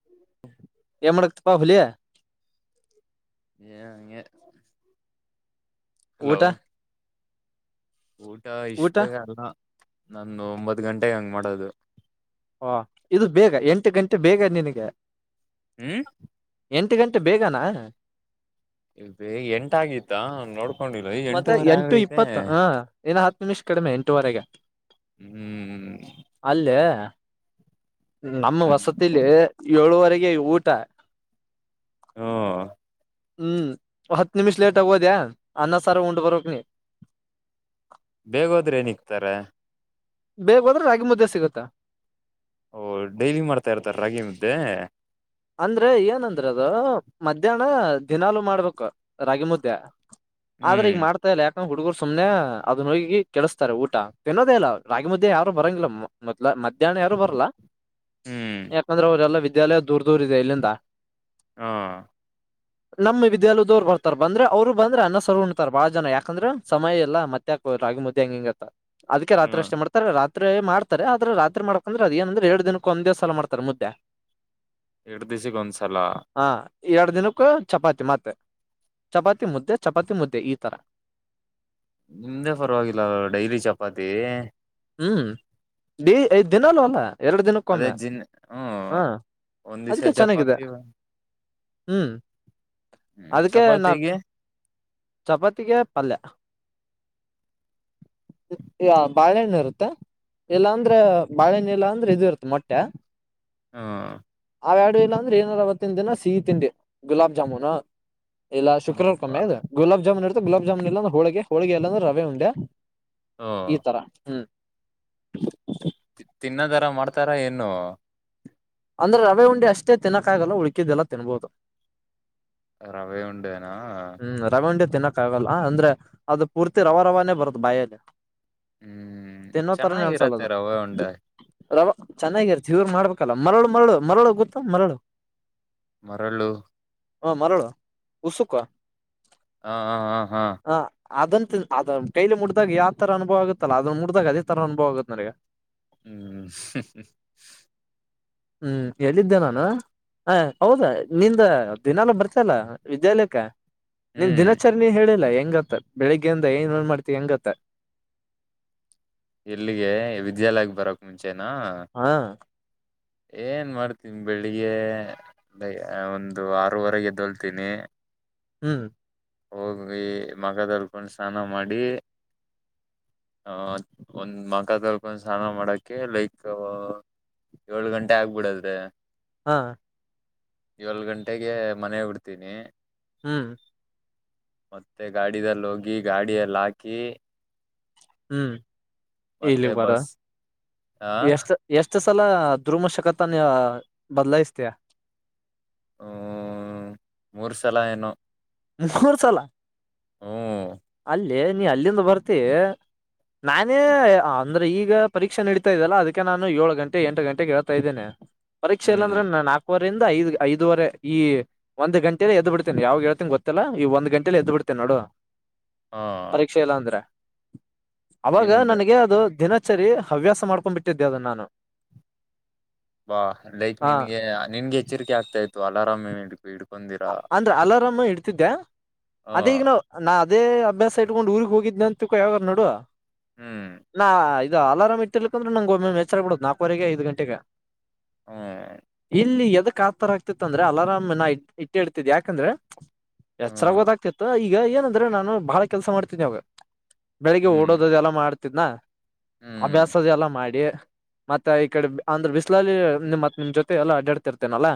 ಹ್ಮ ಏನ್ ಮಾಡಕ್ತಪ್ಪಾ ಹುಲಿಯ. ಏ ಅಂಗೆ....... ಹಲೋ. ಊಟ ಊಟ ಇಷ್ಟ ಊಟ ಬೇಗ ಅಲ್ಲ ನಾನ ಒಂಬತ್ ಗಂಟೆಗೆ ಹಂಗ್ ಮಾಡೋದು. ಹಾ ಇದು ಬೇಗ ಎಂಟು ಗಂಟೆ ಬೇಗ ನಿನಗೆ. ಹ್ಮ. ಎಂಟು ಗಂಟೆ ಬೇಗನಾ. ಇ ಬೇಗ ಎಂಟ ಆಗಿತ್ತಾ ನೋಡ್ಕೊಂಡಿಲ್ ಎಂಟೂವರೆ ಆಗೈತೆ. ಇನ ಹತ್ತು ನಿಮಿಷ ಕಡಿಮೆ ಎಂಟೂುವರೆಗೆ. ಹ್ಮ್... ಅಲ್ಲೇ ನಮ್ಮ ಹ್ಮ್ ವಸತಿಲಿ ಏಳುವರೆಗೆ ಊಟ. [unintelligible] ಹ್ಮ್ ಹತ್ತು ನಿಮಿಷ್ ಲೇಟ್ ಆಗೋದ ಅನ್ನ ಸಾರ ಉಂಡ್ ಬರಕ್ ನೀ. ಬೇಗೋದ್ರೆ ಏನಿಕ್ತಾರೆ. ಬೇಗ ಹೋದ್ರೆ ರಾಗಿ ಮುದ್ದೆ ಸಿಗುತ್ತೆ. ಓಹ ಡೈಲಿ ಮಾಡ್ತಾ ಇರ್ತಾರ ರಾಗಿ ಮುದ್ದೆ. ಅಂದ್ರೆ ಏನಂದ್ರ ಅದು ಮಧ್ಯಾಹ್ನ ದಿನಲುೂ ಮಾಡ್ಬೇಕು ರಾಗಿ ಮುದ್ದೆ. ಆದ್ರೆ ಹ್ಮ್ ಈಗ ಮಾಡ್ತ. ಮತ್ತ ಯಾಕಂಗ ಹುಡುಗುರು ಸುಮ್ಮನೆ ಅದನ್ನ ಹೋಗಿ ಕೆಡಿಸ್ತಾರೆ ಊಟ ತಿನ್ನದೇ ಇಲ್ಲ ರಾಗಿ ಮುದ್ದೆ ಯಾರು ಬರಂಗಿಲ್ಲ. ಮೊದಲ ಮಧ್ಯಾಹ್ನ ಯಾರು ಬರಲ್ಲಾ ಹ್ಮ್ ಯಾಕಂದ್ರ ಅವರದೆಲ್ಲಾ ವಿದ್ಯಾಲಯ ದೂರ್ ದೂರ್ ಇದೆ ಇಲ್ಲಿಂದ. ಹಾ ಹಾ.... ನಮ್ ವಿದ್ಯಾಲಯ್ದೋರ್ ಬರ್ತಾರ ಬಂದ್ರ ಅವರು ಬಂದ್ರೆ ಅನ್ನ ಸಾರು ಉಣ್ತಾರ ಬಾಳ ಜನ ಯಾಕಂದ್ರ ಸಮಯ ಇಲ್ಲ ಮತ್. ರಾಗಿ ಮುದ್ದೇ ಹಿಂಗ್ ಹಿಂಗತ್ತ ಅದಕೆ ಹ್ಮ ರಾತ್ರಿ ಅಷ್ಟೇ ಮಾಡ್. ರಾತ್ರೆ ಮಾಡತಾರೆ ಆದ್ರ ರಾತ್ರಿ ಮಾಡಕಂದ್ರೆ ಅದ ಏನಂದ್ರೆ ಎರಡ್ ದಿನಕ್ಕ ಒಂದೇ ಸಲ ಮಾಡತರ್ ಮುದ್ದೆ. ಎರಡ್ ದಿಸ್ ಕಾ ಒನ್ಸ್. ಹಾ! ಎರಡ್ ದಿನಕ್ಕೂ ಚಪಾತಿ ಮತ್ತೆ ಚಪಾತಿ ಮುದ್ದೆ ಚಪಾತಿ ಮುದ್ದೆ ಈ ತರ. ನಿಮ್ದೇ ಪರವಾಗಿಲ್ಲ ಡೈಲಿ ಚಪಾತಿ........ ಹ್ಮ್ ಡಿ ಐದ್ ದಿನಲೂ ಅಲ್ಲಾ. ಎರಡ್ ದಿನಕ್ ಅದೇ ಒಮ್ಮೆ ಜಿನ್ ಹ್ಮ್ ಹ್ಮ ಒಂದ್ ದಿವ್ಸ ಅದಕ್ಕೆ ಚೆನ್ನಾಗಿದೆ. ಚಪಾತಿ ಹ್ಮ್ ಹ್ಮ್ ಅದಕ್ಕೆ ನಾಪ್ ಚಪಾತಿಗೆ ಚಪಾತಿಗೆ ಪಲ್ಯ. ಈಯಾ ಬಾಳೆಹಣ್ಣು ಇರುತ್ತೆ ಇಲ್ಲ ಅಂದ್ರೆ ಬಾಳೆಹಣ್ಣು ಇಲ್ಲ ಅಂದ್ರೆ ಇದು ಇರುತ್ತೆ ಮೊಟ್ಟೆ. ಹಾ ಹಾ ಅವು ಎರಡು ಇಲ್ಲ ಅಂದ್ರೆ ಏನಾರ ಅವತ್ತಿನ ದಿನ ಸಿಹಿ ತಿಂಡಿ ಗುಲಾಬ್ ಜಾಮೂನು. ಇಲ್ಲ ಶುಕ್ರವಾರಕ್ ಬಪ್ಪ ಒಮ್ಮೆ ಅದು. ಗುಲಾಬ್ ಜಾಮೂನ್ ಇರುತ್ತತೇ ಗುಲಾಬ್ ಜಾಮೂನ್ ಇಲ್ಲಾಂದ್ರ ಹೋಳಿಗೆ ಹೋಳಗೆ ಇಲ್ಲಾಂದ್ರೆ ರವೆ ಉಂಡೆ ಹ್ಮ್ ಈ ತರ. ಹ್ಮ. ತಿನ್ನೋತರ ಮಾಡ್ತಾರ ಎನ್ನು. ಅಂದ್ರೆ ರವೆ ಉಂಡಿ ಅಷ್ಟೇ ತಿನ್ನಕ್ಕಾಗಲ್ಲ ಉಳಕಿದ್ದೆಲ್ಲ ತಿನ್ಬೋದು. ರವೆ ಉಂಡೇನಾ. ಹ್ಮ್ ರವೆ ಉಂಡೆ ತಿನ್ನಕ್ ಆಗಲ್ಲ ಅಂದ್ರೆ ಅದು ಪೂರ್ತಿ ರವಾ ರವಾನೆ ಬರುತ್ ಬಾಯಲ್ಲಿ. ಹ್ಮ್ ತಿನ್ನೋ ತರಾನೇ ಅನ್ಸಲ್ಲ ಚೆನ್ನಾಗಿರತ್ತೆ ಅದು. ರವೆ ಉಂಡೆ ರವಾ ಚೆನ್ನಾಗಿರ್ತಾ ಇವ್ರ ಮಾಡ್ಬೇಕಲ್ಲ ಮರಳ ಮರಳು ಮರಳು ಗೊತ್ತ ಮರಳು. ಮರಳು. ಹಾ ಮರಳು ಉಸುಕ. ಹ ಹ ಹಾ ಹ್ಹಾ. ಹ ಅದಂತ ಅದ ಕೈಲಿ ಮುಡಿದಾಗ ಯಾವ ತರ ಅನುಭವ ಆಗುತ್ತಲ್ಲ ಅದನ್ನ ಮುಟ್ದಾಗ ಅದ ತರ ಅನುಭವ ಆಗತ್ ನನಗ. ಹ್ಮ್ ಹ್ಮ ಎಲ್ಲಿದ್ದೆ ನಾನು. ಹಾ ಹೌದಾ ನಿಂದ ದಿನಾಲು ಬರ್ತಲ್ಲ ವಿದ್ಯಾಲೇಖ. ನಿನ್ ಹ್ಮ್ ದಿನಾಚರಣೆ ಹೇಳಿಲ್ಲಾ ಹೆಂಗತ್ತ ಬೆಳ್ಳಗಿಂದ ಏನ್ ಏನ್ ಮಾಡ್ತಿ ಹೆಂಗತ್ತ. ಎಲ್ಲಿಗೆ ವಿದ್ಯಾಲಯಕ್ಕೆ ಬರೋಕ್ ಮುಂಚೆನಾ. ಹಾ. ಏನ್ ಮಾಡ್ತನಿ ಬೆಳಿಗೆ. ಹೇಯ್ ಒಂದು ಆರೂವರೆಗೆ ಎದ್ದೋಲ್ತೀನಿ. ಹ್ಮ್. ಹೋಗಿ ಮಖ ತೊಳ್ಕೊಂಡು ಸ್ನಾನ ಮಾಡಿ. ಆ ಒಂದ್ ಮಕ ತೊಳ್ಕೊಂಡ್ ಸ್ನಾನ ಮಾಡಕೆ ಲೈಕಾ ಏಳ್ ಗಂಟೆ ಆಗ್ಬಿಡತ್ತೆ. ಹ್ಹಾ. ಏಳೋ ಗಂಟೆಗೆ ಮನೆ ಬಿಡ್ತೀನಿ. ಹ್ಮ್. ಮತ್ತೆ ಗಾಡಿದಲ್ ಹೋಗಿ ಗಾಡಿ ಅಲ್ ಹಾಕಿ ಹ್ಮ್ ಮತ್ತೆ ಇಲ್ಲಿಗ್ ಬಾರ ಬಸ್ ಆ ಎಷ್ಟ. ಎಷ್ಟು ಸಲ ದುರ್ಮಶಕತನ ಬದಲಾಯಿಸ್ತೀಯಾ. ಹಾ ಮೂರು ಸಲ ಏನೋ. ಹಾದ್ಮೂರ್ ಸಲ ಹ್ಮ್ ಅಲ್ಲ ಲೆ ನೀ ಅಲ್ಲಿಂದ ಬರ್ತಿವ್ ನಾನೇ ಹೇ ಅಂದ್ರ ಈಗಾ ಪರೀಕ್ಷ ನಡೆತಾ ಇದೇ ಅಲಾ ಅದಕ್ಕೆ ನಾನು ಏಳು ಗಂಟೆ ಎಂಟು ಗಂಟೆಗೆ ಹೇಳ್ತಾ ಇದ್ದೇನೆ. ಪರೀಕ್ಷೆ ಇಲ್ಲ ಹ್ಮ್ ಅಂದ್ರ ನಾಕು ಇುವಂದ ಐದು ಐದವರೆ ಈ ಒಂದು ಗಂಟೆೇ ಎದ್ ಬಿಡ್ತೇ ಯಾವಾಗ ಹೇಳ್ತೀ ಗೊತ್ತ. ಇಲ್ಲ ಈ ಒಂದ ಗಂಟೆಲಿ ಎದ್ ಬಿಡ್ತೇನೆ ನೋಡು. ಹಾ ಶಕ್ಷ ಇಲ್ಲ ಅಂದ್ರೆ ನಿನ್ ಅವಾಗ ನನಗೆ ಅದು ದಿನ ಸರಿ ಹವ್ಯಾಸ ಮಾಡ್ಕೊಂಡ್ ಬಿಟ್ಟಿದ್ದೆ ಅದನ್ನ ನಾನು. ಬಾ ಲೈಕ್ ಹ ನಿನ್ಗೆ ನಿನ್ಗೆ ಎಚ್ಚರಿಕೆ ಆಗ್ತಾ ಇತ್ತು ಅಲಾರಾಮ್ ಹಿಡ್ಕೊಂಡಿರ. ಅಂದ್ರೆ ಅಲಾರಾಮ ಇಡ್ತಿದ್ದೆ ಹ ಅದೀಗ ನಾ ನಾ ಅದೇ ಅಭ್ಯಾಸ ಇಟ್ಕೊಂಡು ಊರಿಗೆಗ್ ಹೋಗಿದ್ೆ ಅಂತಕ ಯಾವಾರ ನೋಡುುವ. ಹ್ಮ್ ನಾ ಇದು ಅಲಾರಾಮ್ ಇತಿರ್ಕಂದ್ರ ನಂಗಗೆ ಒ ಎಚ್ಚರ ಬಿಡುದು ನಾಲ್ಕವರೆಗೆ ಐದು ಗಂಟೆಗೆ. ಹಾ ಇಲ್ಲಿ ಎದಕ್ ಆಥರ ಆಗ್ತಿತ್ತ ಅಂದ್ರೆ ಅಲಾರಾಮ ನ ಇಟ್ಟಿ ಇಡ್ತಿದ್ ಯಾಕಂದ್ರೆ ಎಚ್ಚರಾಗ ಹ್ಮ್ ಗೊದಾಗ್ತಿತ್ತು ಈಗ ಏನಂದ್ರೆ ನಾನು ಬಾಳ ಕೆಲ್ಸ ಮಾಡ್ತೀನಿ ಅವಾಗ. ಬೆಳಿಗ್ಗೆ ಹ್ಮ್ ಓಡೋದದೆ ಎಲ್ಲ ಮಾಡ್ತಿದ್ನ ಹ್ಮ್ ಅಭ್ಯಾಸದೆ ಎಲ್ಲ ಮಾಡಿ. ಮತ್ತೆ ಈ ಕಡೆ ಅಂದ್ರೆ ಬಿಸಿ್ಲಲ್ಲಿ ಮತ್ ನಿಮ್ ಜೊತೆ ಎಲ್ಲಾ ಅಡಾಡ್ತಿ ಇರ್ತೇನಲ್ಲಾ.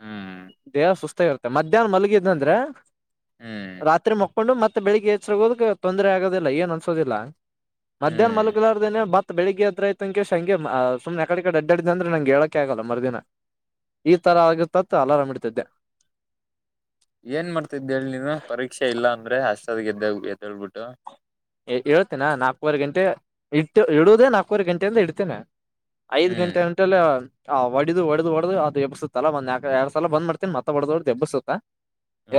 ಹ್ಮ್ ದೇಹ ಸುಸ್ತಾಗಿರುತ್ತೆ ಮಧ್ಯಾಹ್ನ ಮಲಗಿದಂದ್ರೆ ಹ್ಮ್ ರಾತ್ರಿ ಮಕ್ ೊಂಡು ಮತ್ತೆ ಬೆಳಿಗ್ಗೆ ಎಚ್ಚ ಹೋದ ತೊಂದರೆ ಆಗೋದಿಲ್ಲ ಏನ್ ಅನ್ಸೋದಿಲ್ಲ ಮಧ್ಯಾಹ್ನ ಹ್ಮ್ ಮಲಗ ಮರ್ದಿನ ಮತ್ ಬೆಳಗ್ ಹತ್ರಯಐತ ಅಂೇಶ್ ಹಂಗೆ ಸು್ನೆ ಕಡೆ ಅಡ್ಡ ಅ್ರೆ ನಂಗೆ ಹೇಳಕೆ ಆಗಲ್ಲ ಮರ್ದಿನ. ಈ ತರ ಆಗಿರ್ತತ್ ಅಲರಾಮ್ ಇಡ್ತಿದ್ದೆ. ಏನ್ ಮಾಡ್ತಿದ್ದೇಳಿ ನೀನು ಪರೀಕ್ಷೆ ಇಲ್ಲ ಅಂದ್ರೆ ದ ಗೆದ್ದ ಎದ ಹೇಳ್ಬಿಟ್ಟು. ಹೇಳ್ತೇನಾ ನಾಲ್ಕವರೆ ಗಂಟೆ ಇತ ಇಡುದೇ ನಾಲ್ಕೂವರೆ ಗಂಟೆಯಿಂದ ಇಡ್ತೇನೆ. ಐದ್ ಗಂಟೆ ಹ್ಮ್ ಗಂಟಲ್ಲ ಆ ಹೊಡಿದು ಹೊಡ್ದುಡದು ಅದು ಎಬ್ಬಸುತ್ತಲ್ಲ ಬಂದ ಯಕ ಎರಡ್ ಸಲ ಬಂದ್ ಮಾಡತನಿ ಮತ್ತ ಹೊಡ್ ಹೊಡ್ದು ಎಬ್ಬಸುತ್ತಾ.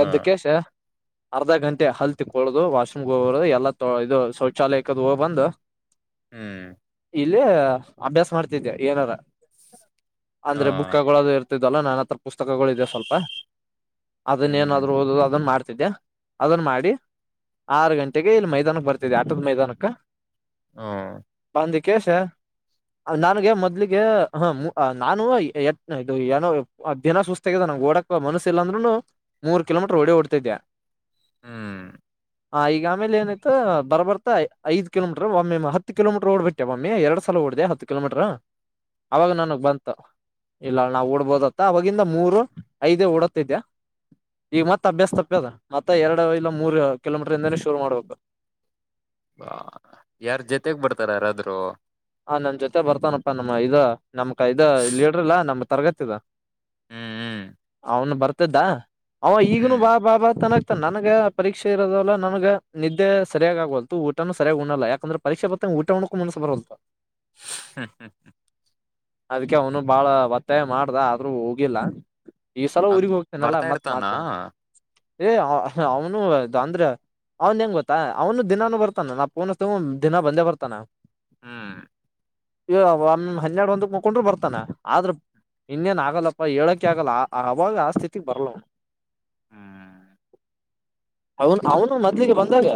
ಎದ್ದಕ್ಕೆ ಅರ್ಧ ಗಂಟೆ ಹಲ್ ತಿಕ್ಕೊಳದು ವಾಶ್ರೂಮ್ಗೆ ಹೋಗದು ಎಲ್ಲ ಇದು ಶೌಚಾಲಯಕ್ಕೆದು ಹೋಗ ಬಂದು. ಹ್ಮ್ ಇಲ್ಲಿ ಅಭ್ಯಾಸ ಮಾಡ್ತಿದ ಏನಾರ ಅಂದ್ರೆ ಬುಕ್ ಹ್ಮ್ ತಗಳೋದು ಇರ್. ಲ್ಲ ನನ್ನ ಹತ್ರ ಪುಸ್ತಕಗಳು ಇದೆ ಸ್ವಲ್ಪ ಅದನ್ನ ಏನಾದ್ರರು ಓದ ಅದನ್ ಮಾಡ್. ಅದನ್ನ ಮಾಡಿ ಆರು ಗಂಟೆಗೆ ಇ ಮೈ ಮೈದಾನಕ್ ಬರ್ತದೆ ಆತದ ಮೈದಾನಕ್ಕೆ. ಹಾ ಬಂದಿಕೇಶ. ನನಗೆ ಮೊದ್ಲಿಗೆ ಹ ನಾನು ಇದು ಏನೋ ಅಧ್ಯಾನ ಸುಸ್ತಾಗಗಿದೆ ನಂಗೆ ಓಡಕ್ ಮನಸ್ಸ ಇಲ್ಲಾಂದ್ರುನು ಮೂರು ಕಿಲೋಮೀಟರ್ ಓಡಿ ಓಡ್ತಿದ್ದ. ಹ್ಮ ಹಾ ಈಗ ಆಮೇಲೆ ಏನತ್ತು. ಬರ್ ಬರ್ತ ಐದ ಕಿೋಮಟ್ರ ಒಮ್ಮಿ ಹತ್ತು ಕಿಲೋಮೀಟರ್ ಓಡ್ಬ ಬಿಟ್ಟೆ ಒೊಮ್ಮಿ ಎರಡ್ ಸಲ ಓಡ್ದ ಹತ್ತು ಕಿಲೋಮೀಟ್ರ. ಅವಾಗ ನನಗ್ ಬಂತು. ಇಲ್ಲ ಅಲ್ ನಾವ್ ಓಡ್ಬೋದತ್ತ ಅವವಾಗಿಂದ ಮೂರು ಐದೇ ಓಡತಿದ. ಈಗ ಮತ್ತತ್ ಅಭ್ಯಾಸ ತಪ್ಪದ ಮತ್ತ ಎರಡು ಇಲ್ಲ ಮೂರು ಕಿಲೋಮೀಟರ್ ಇಂದಾನೇ ಶುರು ಮಾಡ್ಬೇಕು. ಬಾ ಯಾರ್ ಜೊತೆಗ್ ಬರ್ತಾರಾರಾದ್ರರು. ಆ ನನ್ ಜೊತೆ ಬರ್ತಾನಪ್ಪಾ ನಮ್ಮ್ ಇದ ನಮ್ಕ್ ಇದ ಲೀಡ್ರ ಇಲ್ಲಾ ನಮ್ ತರಗತಿದ. ಹ್ಮ್ ಅವನು ಬರ್ತಿದ್ದ ಅವ ಈಗನು ಹ್ಮ್ ಹ್ಮ್ ಬಾ ಹ್ಮ್ ಬಾಬಾ ತನ್ನಾಗತಾನ ನನ್ಗ ಪರಕ್ಷೆ ಇರೋದಲ್ಲ ನಮಗ ನಿದ್ದೆ ಸರಿಯಾಗಿ ಆಗಲ್ತ ಊನುೂ ಸರಿಯಾಗಿ ಉಣಲ್ಲ ಯಾಕಂದ್ರೆ ಪರೀಕ್ಷೆ ಬ ಊಟ್ಕ ಮಾಡೋಕು ಮನ್ಸ ಬರವಲ್ತು. ಹ ಹ ಅದ್ಕ್ಕೆ ಅವನು ಬಾಳ ಒತ್ತಾಯ ಮಾಡ್ದ ಆದ್ರೂ ಹೋಗಿಲ್ಲ. ಈ ಸಲ ಅದ್ ಊರಿಗ್ ಹೋಗ್ತನಲ್ಲ ಬರ್ತಾ ಮತ್ ಇರ್ತಾನ ಮಾಡ್ತೇನ ಏ ಅವನು ಅಂದ್ರೆ ಅವನದ ಹೆಂಗ್ ಗೊತ್ತಾ ಅವನು ದಿನಾನು ಬರ್ತಾನ ನಾ ಪೂನ ಹಚ್ಚಿದಾಗೂಂದ ದಿನ ಬಂದೇ ಬರ್ತಾನ ಹ್ಮ್ ಇ ಒನ್ನ್ ಹನ್ನೆಡ ಒಂದೂಕ ಮುಕೊಂಡ್ರು ಬರ್ತಾನ ಆದ್ರ ಇನ್ನೇನ್ ಆಗಲ್ಲಪ್ಪ ಹೇಳಕೆ ಆಗಲ್ಲ ಆ ಅವಾಗ ಆ ಸ್ಥಿತಿಗ ಬರ್ಲ್ಲವ ಹ್ಮ್ ಅವನ್ ಅವನು ಮೊದ್ಲಿಗೆ ಬಂದಾಗ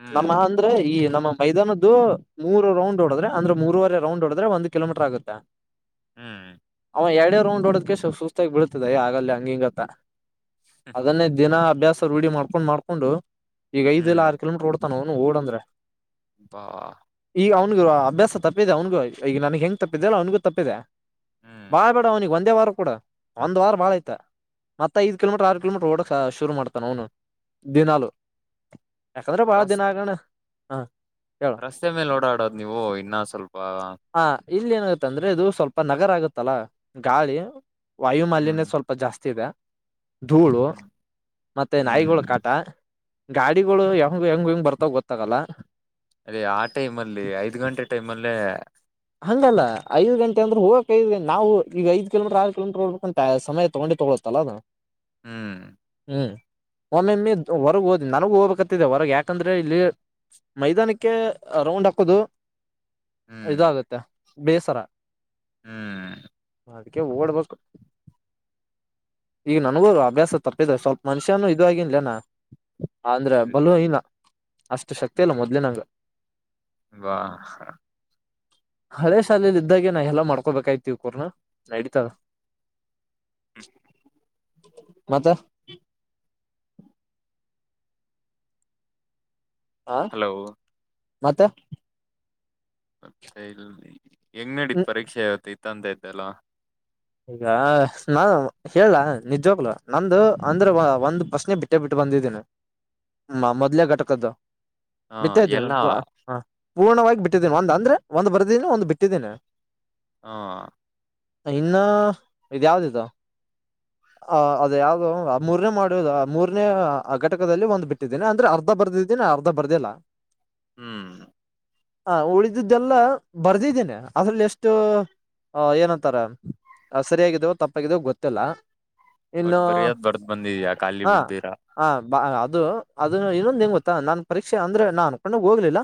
ಹ್ಮ್ ನಮ್ಮ ಅಂದ್ರೆ ಈ ನಮ್ಮ ಮೈದಾನದ್ದು ಮೂರು ರೌಂಡ್ ಹೊಡದ್ರೆ ಅಂದ್ರೆ ಮೂರುವರೆ ರೌಂಡ್ ಹೊಡುದ್ರೆ ಒಂದು ಕಿಲೋಮೀಟರ್ ಆಗುತ್ತೆ ಹ್ಮ್ ಹ್ಮ್ ಅವ ಎರಡೇ ರೌಂಡ್ ಹೊಡೆದಕೆಸಿ ಸುಸ್ತಾಗಿ ಬೀಳ್ತಿದ ಏ ಆಗಲ್ಲ ಲೇ ಹಂಗ ಹಿಂಗತ್ತ ಹ್ಮ್ ಅದನ್ನೇ ದಿನಾ ಅಭ್ಯಾಸ ರೊಡಿ ಮಾಡ್ಕೊಂಡು ಮಾಡ್ಕೊಂಡು ಈಗ ಐದಲ್ಲ ಹ್ಮ್ ಆರ್ ಕಿಲೋಮೀಟರ್ ಓಡ ತ್ತಾನು ಹೊಡಂದ್ರೆ ಬಾ ಈಗ ಅವ್ನ್ಗೂ ಅಭ್ಯಾಸ ತಪ್ಪಿದೆ ಅವನ್ಗೂ ಈಗ ನನ್ಗ ಹೆಂಗ್ ತಪ್ಪಿದ್ದ ಅಲ್ಲ ಅವನ್ಗೂ ತಪ್ಪಿದೆ ಹ್ಮ್ ಬಾಳ್ ಬೇಡ ಅವನಿಗ ಒಂದೇ ವಾರ ಕೂಡ ಒಂದ್ ವಾರ ಭಾಳಯ್ತ ಮತ್ತ ಐದ ಕಿಲೋಮೀಟರ್ ಆರ ಕಿಲೋಮೀಟ್ರ ಓಡದ ಶುರು ಮಾಡ್ತಾನ ಅವ್ನು ದಿನಾಲು ಯಾಕಂದ್ರ ಬಾಳ ರಸ್ ದಿನ ಆಗಣ ರಸ್ತೆ ಮೇಲ ಓಡಾಡದ ನೀವು ಇನ್ನ ಸ್ವಲ್ಪ ಹಾ ಇಲ್ಲಿ ಏನಾಗುತ್ತ ಅಂದ್ರೆ ಇದು ಸ್ವಲ್ಪ ನಗರ ಆಗತ್ತಲ್ಲ ಗಾಳಿ ಹ್ಮ್ ವಾಯುಮಾಲಿನ್ಯ ಸ್ವಲ್ಪ ಸ್ವಲ್ಪ ಜಾಸ್ತಿ ಇದೆ ಧೂಳು ಹ್ಮ್ ಮತ್ತೆ ನಾಯಿಗಳು ಹ್ಮ್ ಕಾಟ ಗಾಡಿಗಳು ಹೆಂಗ ಹೆಂಗ್ ಹಿಂಗ್ ಬರ್ತಾವ ಗೊತ್ತಾಗಲ್ಲ ಏ ಆ ಟೈಮ್ ಅಲ್ಲಿ ಐದ್ ಗಂಟೆ ಟೈಮ್ ಅಲ್ಲೇ ಹಂಗಲ್ಲ ಐದ ಗಂಟೆ ಅಂದ್ರೆ ಹೋಗಕ್ ಐದ ನಾವು ಈಗ ಐದ ಕಿಲೋಮೀಟರ್ ಆರ ಕಿಲೋಮೀಟದರ ಹೂಡಬೇಕಂತ ಸಮಯ ತಗೊಂಡೆ ತೊಗೋಳುತಲ್ಲ ಅದ್ ಹ್ಮ್ ಹ್ಮ್ ಒಮೆಮ್ಮಿ ಹೊರಗ ಹೋದಿ ನನಗು ಹೋಗ್ಬೇಕತಿದೆ ಹೊರಗ ಯಾಕಂದ್ರೆ ಇಲ್ಲಿ ಮೈದಾನಕ್ಕೆ ರೌಂಡ್ ಹಾಕೋದು ಹ್ಮ್ ಇದಾಗುತ್ತೆ ಬೇಸರ ಹ್ಮ್ ಅದ್ಕೆ ಓಡ್ಬೇಕ ಈಗ ನನಗೂ ಅಭ್ಯಾಸ ತಪ್ಪಿದ ಸ್ವಲ್ಪ ಮನುಷ್ಯನು ಇದಾಗಿನ್ಲೆನಾ ಅಂದ್ರ ಬಲು ಇನ ಅಷ್ಟು ಶಕ್ತಿಲ್ಲ ಮೊದ್ಲಿ ನಂಗ ಬಾ ಹ್ ಹಳೆ ಶಾಲೆಲ್ ಇದ್ದಾಗ ನಾ ಎಲ್ಲ ಮಾಡ್ಕೊಬೇಕಾಯ್ತಿವ ಕೂರ್ನ ನಾ ನಡೀತದ ಹ್ಮ ಮತ್ತ್ ಹಾ ಹಲೋ ಮತ್ತೆ ಮತ್ತೆ ಇಲ್ ಹೆಂಗ್ ನಡಿತ್ ಹ್ಮ್ ಪರೀಕ್ಷೆ ಇವತ್ತ ಇತ್ತಂತಿದ್ದಲ್ಲ ಈಗ ನಾ ಹೇಳಲಾ ನಿಜವಾಗ್ಲು ನಂದು ಅಂದ್ರ ಒಂದ್ ಪ್ರಶ್ನೆ ಬಿಟ್ಟೇ ಬಿಟ್ಟ ಬಂದಿದ್ದೀನ ಹ ಮ ಮೊದ್ಲೆ ಘಟಕದ್ದು ಹ ಬಿತ್ತ್ದೇನೆ ಎಲ್ಲಾ ಪೂ ಹ ಪೂರ್ಣವಾಗಿ ಬಿಟ್ಟಿದ್ದೀನಿ ಒಂದ ಅಂದ್ರೆ ಒಂದ ಬರ್ದೀದಿನಿ ಒಂದ ಬಿಟ್ಟಿದ್ದೀನಿ ಹಾ ಇನ್ನ್ ಇದ ಯಾವ್ದಿದು [inaudible] ಆ ಅದ ಯಾವದು ಆ ಮೂರನೇ ಮಾಡೋದು ಮೂರನೇ ಘಟಕದಲ್ಲಿ ಒಂದ್ ಬಿಟ್ಟಿದ್ದೇನೆ ಅಂದ್ರ ಅರ್ಧ ಬರ್ದಿದ್ದನಿ ದಿನ ಅರ್ಧ ಬರ್ದಿಲ್ಲ್ ಹ್ಮ್ ಹ ಉಳಿದ್ದೆಲ್ಲ ಬರ್ದಿದ್ದೇನೆ ಅದ್ರಲ್ಲಿ ಎಷ್ಟು ಹ ಏನಂತಾರ. ಸರಿಯಾಗಿದ್ದವು ತಪ್ಪಾಗಿದ್ದವು ಗೊತ್ತಿಲ್ಲ. ಬಟ್ ಇನ್ನು ಬರಿಯದ್ ಬರ್ದ್ ಬಂದಿದ್ಯಾ ಖಾಲಿ ಹಾ ಬಿಡದಿರಾ. ಹ ಬಾ ಅದು ಅದು ಇನ್ನೊಂದ ಹೆಂಗ ಗೊತ್ತಾ ನಾನ್ ಪರೀಕ್ಷೆ ಅಂದ್ರೆ ನಾನ್ ಅನ್ಕೊಂಡ್ ಹೋಗ್ಲಿಲ್ಲ.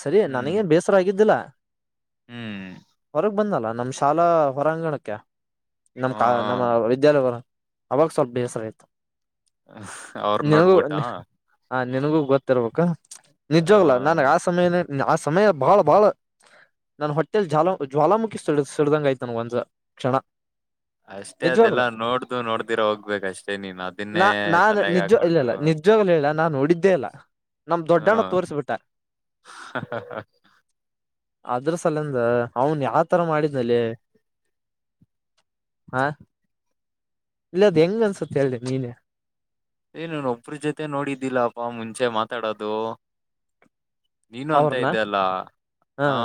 ಸರಿ ಹ್ಮ್ ನನಗೇನ ಬೇಸರ ಆಗಿದ್ದಿಲ್ಲ ಹ್ಮ್ ಹೊರಗೆ ಬಂದಲ್ಲ ನಮ್ಮ್ ಶಾಲಾ ಹೊರಾಂಗಣಕ್ಕೆ ನಮ ಹ ಕ ನಮ್ಮ ವಿದ್ಯಾಲಯ ಅವಾಗ ಸ್ವಲ್ಪ ಬೇಸರ ಆಯ್ತ್ ಅವ್ರ ನಿನಗೂ ನೋಡ್ಬಿಟ್ಟ ಹ ನಿನಗೂ ಗೊತ್ತಿರ್ಬೇಕ ನಿಜವಾಗ್ಲೂ ನನ್ಗೆ ಆ ಸಮಯನೇ ಆ ಸಮಯ ಬಾಳ ಬಾಳ ನನ ಹೊಟ್ಟೆಲ್ ಜಾಲ ಜ್ವಾಲಾಮ ಮುಖಿ ಸಿಡ್ದಂಗ ಆಯ್ತ ನನ್ಗ ಒಂದ ಕ್ಷಣ. ಅಷ್ಟೇ ಅದೆಲ್ಲ ನಿಜವಾಗ್ಲು ನೋಡ್ದು ನೋಡ್ದಿರ ಹೋಗ್ಬೇಕ ಅಷ್ಟೇ ನೀನ್ ಅದನ್ನೇ ನಾನ್ ತಲೆಗೆ ನಿಜ ಇಲ್ಲ ಹಾಕೊಂಡು. ಇಲ್ಲ ನಿಜವಾಗ್ಲೂ ಹೇಳಲಾ ನಾ ನೋಡಿದ್ದೇ ಇಲ್ಲ ನಮ್ ದೊಡ್ಡಣ್ಣ ತೋರಿಸ ಬಿಟ್ಟಾ. ಹ ಹ. ಅದ್ರ ಸಲಂದ ಅವನ್ ಯಾವ ತರ ಮಾಡಿದ್ನಲ್ಲಿ. ಹಾ ಇಲ್ಲದ ಹೆಂಗ ಅನ್ಸುತ್ತ ಹೇಳಿ ನೀನೇ. ಏ ನಾನ ಒಬ್ಬ್ರ ಜೊತೆ ನೋಡಿದ್ದಿಲ್ಲಪ್ಪಾ ಮುಂಚೆ ಮಾತಾಡೋದು. ನೀನು ಅಂತ ಅವ್ರನ ಇದ್ದಲ್ಲ ಹಾ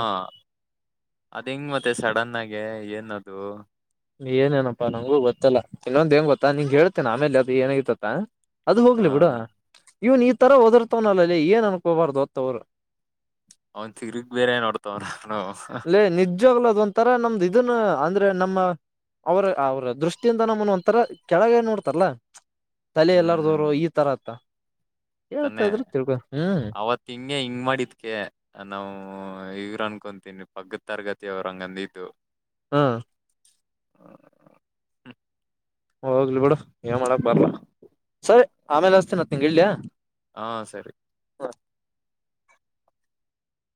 ಅದ್ ಹೆಂಗ ಮತ್ತೆ ಸಡನ್ ಆಗೆ ಏನದು. ಏನೇನಪ್ಪಾ ನಂಗೂ ಗೊತ್ತಲ್ಲಾ ಇನ್ನೊಂದ್ ಏನ್ ಗೊತ್ತಾ ನಿಂಗ ಹೇಳ್ತೇನ ಆಮೇಲ ಅದು ಏನಾಗಿತ್ತತ. ಅದು ಹ ಹೋಗ್ಲಿ ಬಿಡ ಇವನ್ ಈ ತರ ಒದರ್ತವನಲ್ಲಲ್ಲಿ ಏನ್ ಅನ್ಕೋಬಾರ್ದು ಹೊತ್ತವ್ರು. ಅವನ್ ತೀರಗ ಬೇರೆ ನೋಡ್ತವರ ಅಲ್ಲೋ. ಅದೇ ನಿಜವಾಗ್ಲದ ಒಂತರ ನಮ್ದ್ ಇದನ್ನ ಅಂದ್ರೆ ನಮ್ಮ ಅವ್ರ ಅವ್ರ ದೃಷ್ಟಿಯಿಂದ ನಮ್ಮನ್ ಒಂಥರ ಕೆಳಗ ನೋಡ್ತಾರಲ್ಲಾ. ತಲೆ ಹ್ಮ್ ಎಲ್ಲಾರ್ದವರು ಈ ತರ ಅತ್ತ ಹೇಳ್ತಾ ತಾನೆ ಇದ್ರು ತಿಳ್ಕೊ ಹ್ಮ್ ಅವತ್ತ್ ಹಿಂಗೆ ಹಿಂಗ್ ಮಾಡಿದ್ಕ ನಾವು ಇವ್ರ ಅನ್ಕೊಂತೀನಿ ಪಕ್ಕದ ತರಗತಿ ಅವ್ರು ಹಂಗಂದತ್ತು. ಹ. [inaudible] ಹೋಗ್ಲಿ ಬಿಡು ಏನ್ ಮಾಡಕ್ ಬರ್ಲಾ ಸರಿ ಆಮೇಲೆ ಹಸ್ತನಂತ ನಿಂಗ ಇಡ್ಲಾ. ಹಾ ಸರಿ.